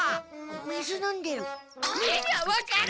水飲んでる。